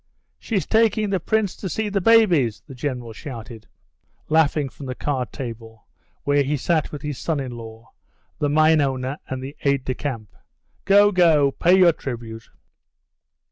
"She's taking the Prince to see her babies," the General shouted, laughing from the card table, where he sat with his son in law, the mine owner and the aide de camp. "Go, go, pay your tribute."